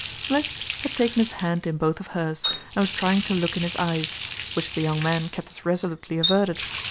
Mliss had taken his hand in both of hers and was trying to look in his eyes, which the young man kept as resolutely averted.